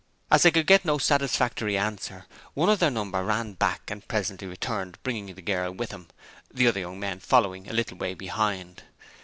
As they could get no satisfactory answer, one of their number ran back and presently returned, bringing the girl with him, the other young women following a little way behind.